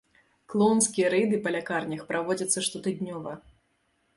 Клоўнскія рэйды па лякарнях праводзяць штотыднёва.